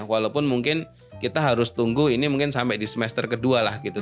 walaupun mungkin kita harus tunggu ini mungkin sampai di semester kedua lah gitu